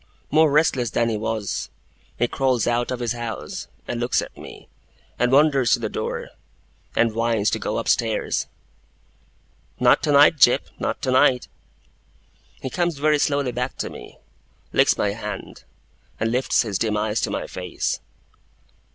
More restless than he was, he crawls out of his house, and looks at me, and wanders to the door, and whines to go upstairs. 'Not tonight, Jip! Not tonight!' He comes very slowly back to me, licks my hand, and lifts his dim eyes to my face.